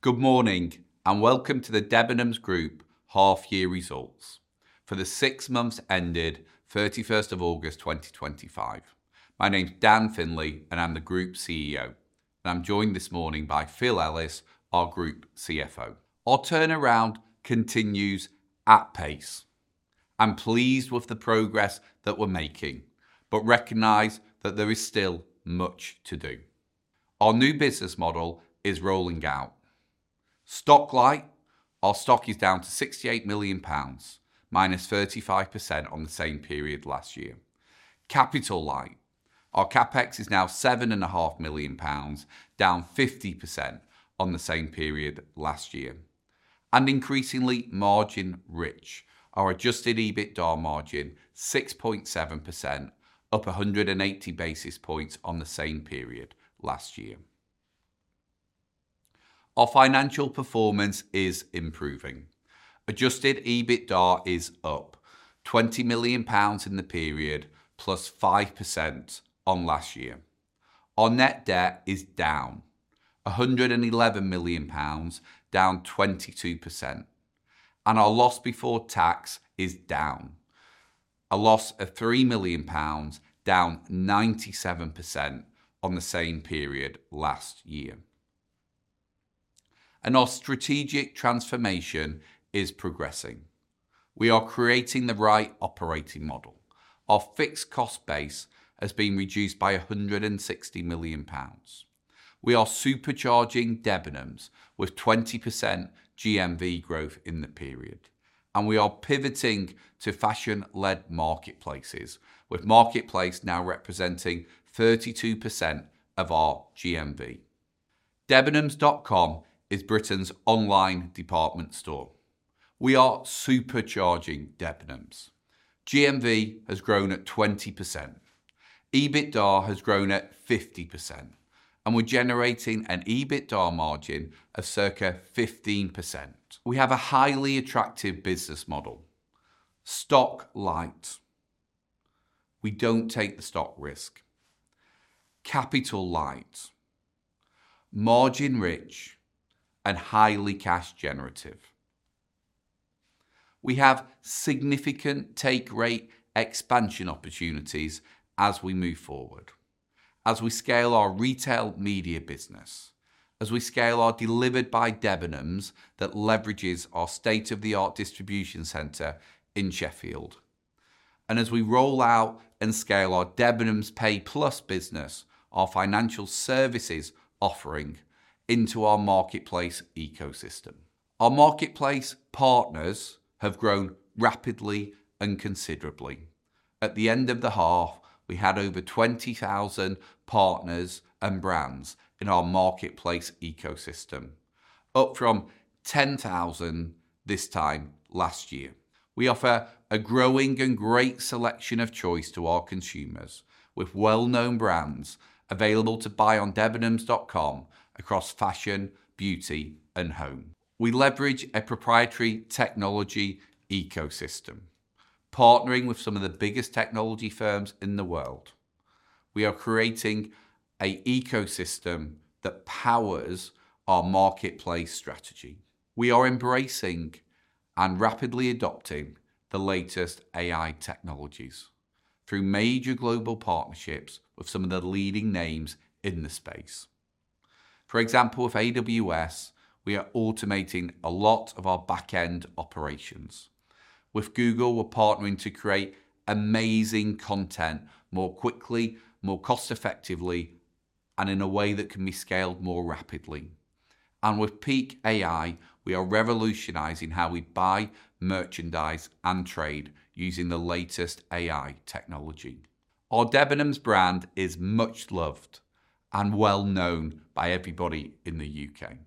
Good morning, and welcome to the Debenhams Group half-year results for the six months ended 31st of August 2025. My name's Dan Finley, and I'm the Group CEO, and I'm joined this morning by Phil Ellis, our Group CFO. Our turnaround continues at pace. I'm pleased with the progress that we're making, but recognize that there is still much to do. Our new business model is rolling out. Stock-lite, our stock is down to 68 million pounds, minus 35% on the same period last year. Capital-lite, our CapEx is now 7.5 million pounds, down 50% on the same period last year. Increasingly margin-rich, our adjusted EBITDA margin 6.7%, up 180 basis points on the same period last year. Our financial performance is improving. Adjusted EBITDA is up 20 million pounds in the period, plus 5% on last year. Our net debt is down 111 million pounds, down 22%. Our loss before tax is down, a loss of 3 million pounds, down 97% on the same period last year. Our strategic transformation is progressing. We are creating the right operating model. Our fixed cost base has been reduced by 160 million pounds. We are supercharging Debenhams with 20% GMV growth in the period. We are pivoting to fashion-led marketplaces, with marketplace now representing 32% of our GMV. Debenhams.com is Britain's online department store. We are supercharging Debenhams. GMV has grown at 20%. EBITDA has grown at 50%, and we're generating an EBITDA margin of circa 15%. We have a highly attractive business model. Stock-lite. We do not take the stock risk. Capital-lite. Margin-rich and highly cash-generative. We have significant take-rate expansion opportunities as we move forward, as we scale our retail media business, as we scale our Delivered by Debenhams that leverages our state-of-the-art distribution center in Sheffield. As we roll out and scale our DebenhamsPay+ business, our financial services offering into our marketplace ecosystem. Our marketplace partners have grown rapidly and considerably. At the end of the half, we had over 20,000 partners and brands in our marketplace ecosystem, up from 10,000 this time last year. We offer a growing and great selection of choice to our consumers, with well-known brands available to buy on debenhams.com across fashion, beauty, and home. We leverage a proprietary technology ecosystem, partnering with some of the biggest technology firms in the world. We are creating an ecosystem that powers our marketplace strategy. We are embracing and rapidly adopting the latest AI technologies through major global partnerships with some of the leading names in the space. For example, with AWS, we are automating a lot of our back-end operations. With Google, we're partnering to create amazing content more quickly, more cost-effectively, and in a way that can be scaled more rapidly. With peak.ai, we are revolutionizing how we buy merchandise and trade using the latest AI technology. Our Debenhams brand is much loved and well-known by everybody in the U.K.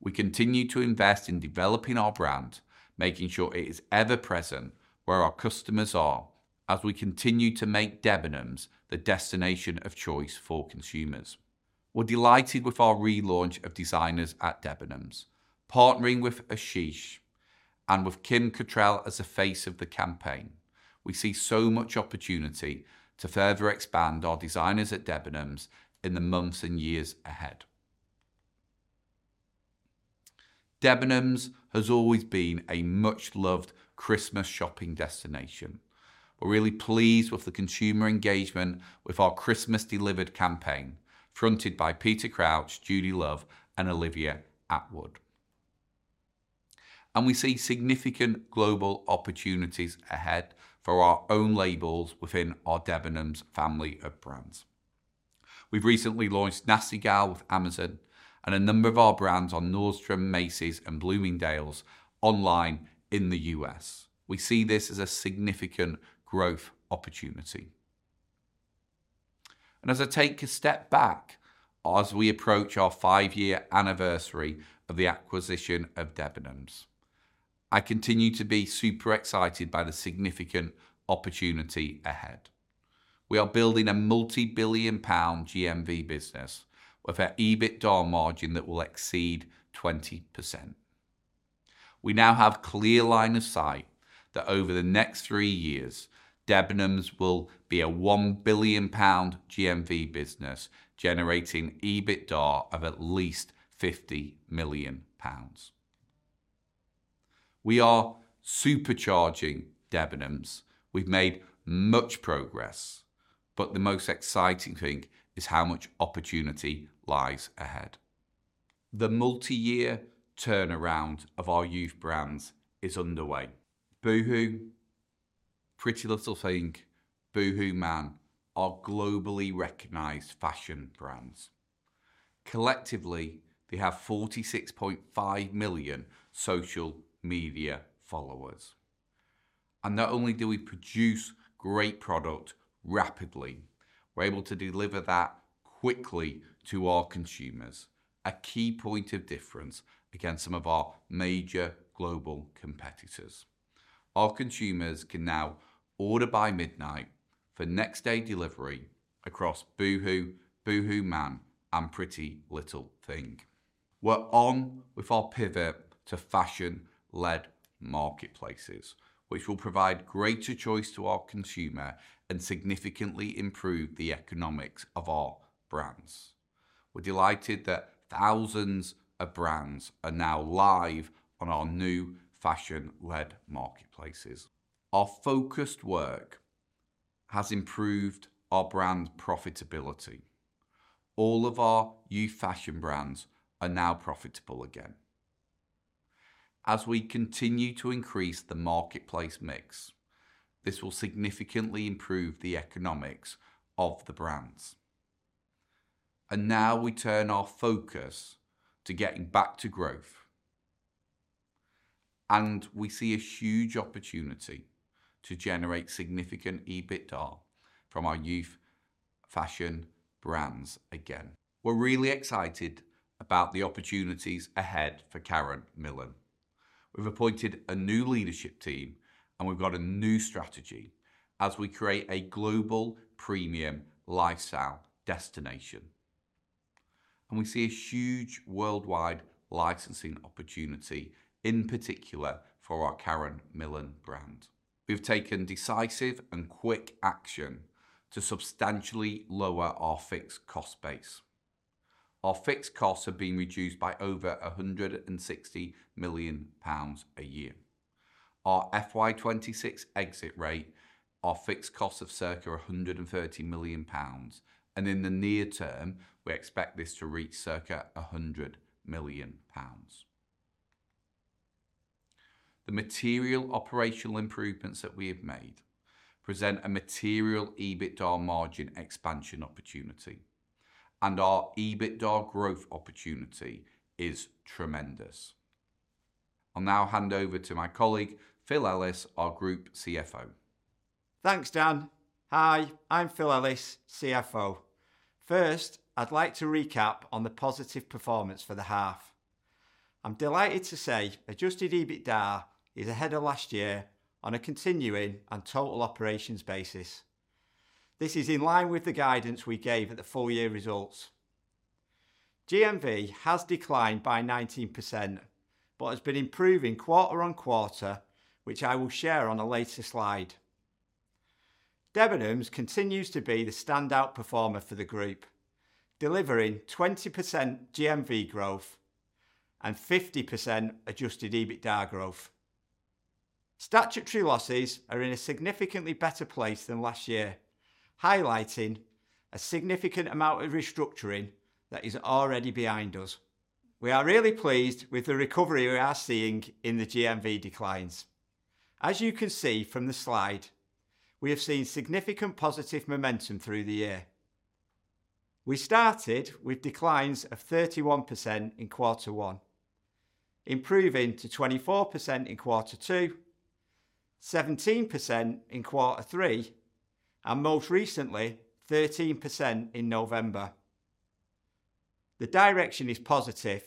We continue to invest in developing our brand, making sure it is ever-present where our customers are, as we continue to make Debenhams the destination of choice for consumers. We're delighted with our relaunch of Designers at Debenhams, partnering with Ashish and with Kim Cattrall as the face of the campaign. We see so much opportunity to further expand our Designers at Debenhams in the months and years ahead. Debenhams has always been a much-loved Christmas shopping destination. We're really pleased with the consumer engagement with our Christmas Delivered campaign, fronted by Peter Crouch, Judi Love, and Olivia Attwood. We see significant global opportunities ahead for our own labels within our Debenhams family of brands. We've recently launched Nasty Gal with Amazon and a number of our brands on Nordstrom, Macy's, and Bloomingdale's online in the U.S. We see this as a significant growth opportunity. As I take a step back, as we approach our five-year anniversary of the acquisition of Debenhams, I continue to be super excited by the significant opportunity ahead. We are building a multi-billion GBP GMV business with an EBITDA margin that will exceed 20%. We now have a clear line of sight that over the next three years, Debenhams will be a 1 billion pound GMV business generating EBITDA of at least 50 million pounds. We are supercharging Debenhams. We've made much progress, but the most exciting thing is how much opportunity lies ahead. The multi-year turnaround of our youth brands is underway. Boohoo, PrettyLittleThing, BoohooMAN, are globally recognized fashion brands. Collectively, they have 46.5 million social media followers. Not only do we produce great product rapidly, we're able to deliver that quickly to our consumers, a key point of difference against some of our major global competitors. Our consumers can now order by midnight for next-day delivery across Boohoo, BoohooMAN, and PrettyLittleThing. We're on with our pivot to fashion-led marketplaces, which will provide greater choice to our consumer and significantly improve the economics of our brands. We're delighted that thousands of brands are now live on our new fashion-led marketplaces. Our focused work has improved our brand profitability. All of our youth fashion brands are now profitable again. As we continue to increase the marketplace mix, this will significantly improve the economics of the brands. We now turn our focus to getting back to growth. We see a huge opportunity to generate significant EBITDA from our youth fashion brands again. We're really excited about the opportunities ahead for Karen Millen. We've appointed a new leadership team, and we've got a new strategy as we create a global premium lifestyle destination. We see a huge worldwide licensing opportunity, in particular for our Karen Millen brand. We've taken decisive and quick action to substantially lower our fixed cost base. Our fixed costs have been reduced by over 160 million pounds a year. Our FY 2026 exit rate, our fixed costs of circa 130 million pounds, and in the near-term, we expect this to reach circa 100 million pounds. The material operational improvements that we have made present a material EBITDA margin expansion opportunity, and our EBITDA growth opportunity is tremendous. I'll now hand over to my colleague, Phil Ellis, our Group CFO. Thanks, Dan. Hi, I'm Phil Ellis, CFO. First, I'd like to recap on the positive performance for the half. I'm delighted to say adjusted EBITDA is ahead of last year on a continuing and total operations basis. This is in line with the guidance we gave at the full-year results. GMV has declined by 19%, but has been improving quarter on quarter, which I will share on a later slide. Debenhams continues to be the standout performer for the group, delivering 20% GMV growth and 50% adjusted EBITDA growth. Statutory losses are in a significantly better place than last year, highlighting a significant amount of restructuring that is already behind us. We are really pleased with the recovery we are seeing in the GMV declines. As you can see from the slide, we have seen significant positive momentum through the year. We started with declines of 31% in quarter one, improving to 24% in quarter two, 17% in quarter three, and most recently, 13% in November. The direction is positive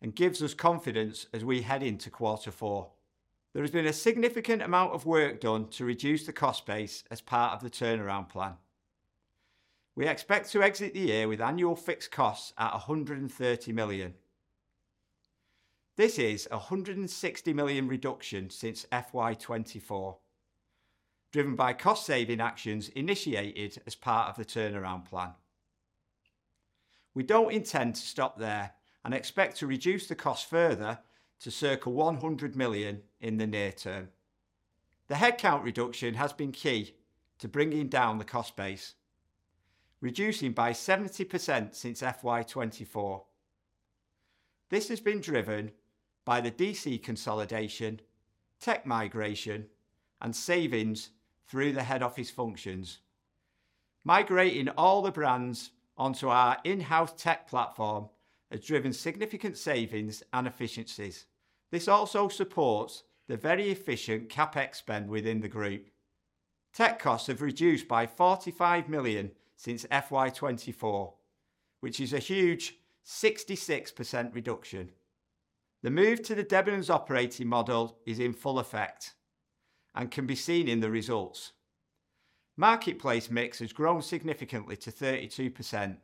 and gives us confidence as we head into quarter four. There has been a significant amount of work done to reduce the cost base as part of the turnaround plan. We expect to exit the year with annual fixed costs at 130 million. This is a 160 million reduction since FY 2024, driven by cost-saving actions initiated as part of the turnaround plan. We do not intend to stop there and expect to reduce the cost further to circa 100 million in the near-term. The headcount reduction has been key to bringing down the cost base, reducing by 70% since FY 2024. This has been driven by the DC consolidation, tech migration, and savings through the head office functions. Migrating all the brands onto our in-house tech platform has driven significant savings and efficiencies. This also supports the very efficient CapEx spend within the group. Tech costs have reduced by 45 million since FY 2024, which is a huge 66% reduction. The move to the Debenhams operating model is in full effect and can be seen in the results. Marketplace mix has grown significantly to 32%.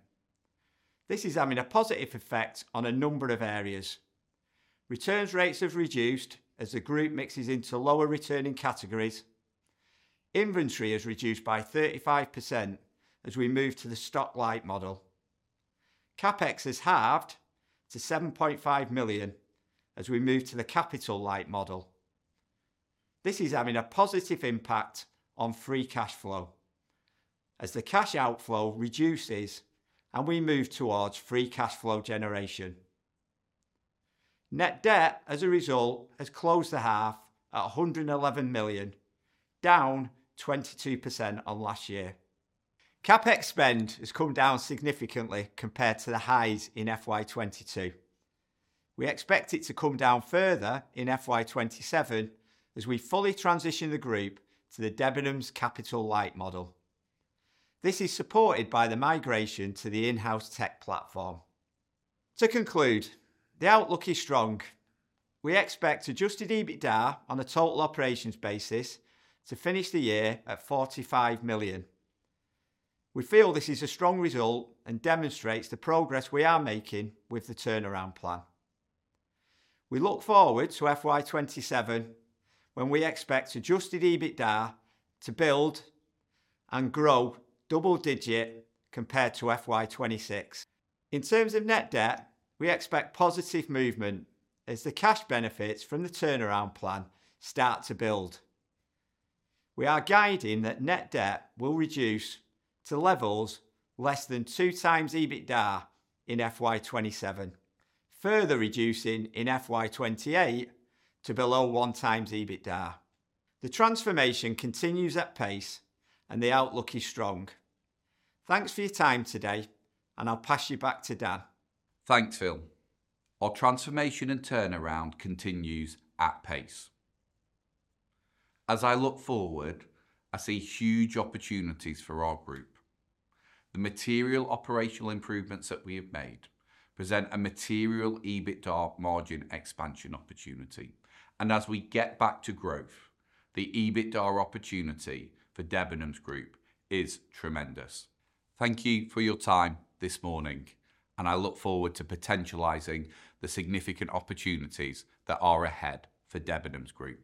This is having a positive effect on a number of areas. Returns rates have reduced as the group mixes into lower-returning categories. Inventory has reduced by 35% as we move to the stock-lite model. CapEx has halved to 7.5 million as we move to the capital-lite model. This is having a positive impact on free cash flow as the cash outflow reduces and we move towards free cash flow generation. Net debt, as a result, has closed the half at 111 million, down 22% on last year. CapEx spend has come down significantly compared to the highs in FY 2022. We expect it to come down further in FY 2027 as we fully transition the group to the Debenhams capital-lite model. This is supported by the migration to the in-house tech platform. To conclude, the outlook is strong. We expect adjusted EBITDA on a total operations basis to finish the year at 45 million. We feel this is a strong result and demonstrates the progress we are making with the turnaround plan. We look forward to FY 2027 when we expect adjusted EBITDA to build and grow double-digit compared to FY 2026. In terms of net debt, we expect positive movement as the cash benefits from the turnaround plan start to build. We are guiding that net debt will reduce to levels less than 2x EBITDA in FY 2027, further reducing in FY 2028 to below 1x EBITDA. The transformation continues at pace and the outlook is strong. Thanks for your time today, and I'll pass you back to Dan. Thanks, Phil. Our transformation and turnaround continues at pace. As I look forward, I see huge opportunities for our group. The material operational improvements that we have made present a material EBITDA margin expansion opportunity. As we get back to growth, the EBITDA opportunity for Debenhams Group is tremendous. Thank you for your time this morning, and I look forward to potentialising the significant opportunities that are ahead for Debenhams Group.